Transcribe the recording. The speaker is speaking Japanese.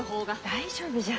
大丈夫じゃ。